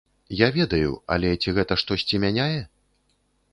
Я ведаю, але ці гэта штосьці мяняе?